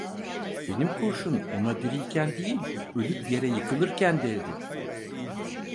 Benim kurşun ona diriyken değil, ölüp yere yıkılırken değdi.